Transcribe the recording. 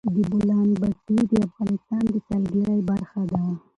د بولان پټي د افغانستان د سیلګرۍ برخه ده.